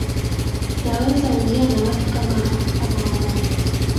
Nawezaongea na watu kama wao